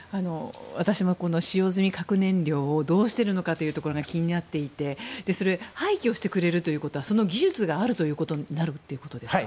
私も使用済み核燃料をどうしているのかというところが気になっていて廃棄をしてくれるということはその技術があるということになるということですか？